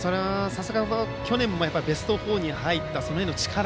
去年もベスト４に入ったその辺の力